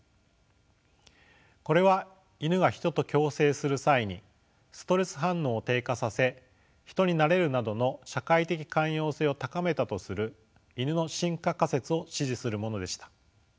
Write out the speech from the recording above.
これはイヌがヒトと共生する際にストレス反応を低下させヒトになれるなどの社会的寛容性を高めたとするイヌの進化仮説を支持するものでした。